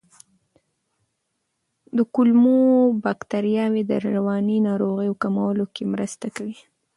د کولمو بکتریاوې د رواني ناروغیو کمولو کې مرسته کوي.